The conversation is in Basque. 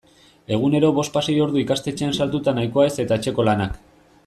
Egunero bospasei ordu ikastetxean sartuta nahikoa ez eta etxeko lanak.